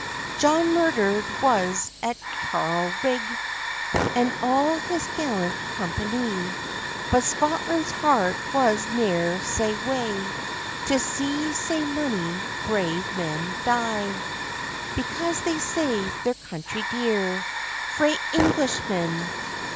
John murder'd was at Carlinrigg, And all his gallant companie; But Scotland's heart was ne'er sae wae, To see sae mony brave men die; Because they saved their country dear Frae Englishmen!